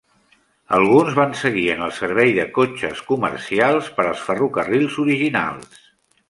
Alguns van seguir en el servei de cotxes comercials per als ferrocarrils originals.